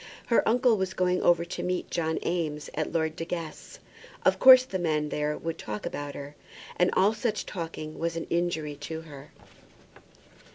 Her uncle was going over to meet John Eames at Lord De Guest's. Of course the men there would talk about her, and all such talking was an injury to her.